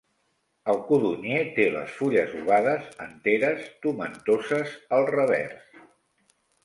El codonyer té les fulles ovades, enteres, tomentoses al revers.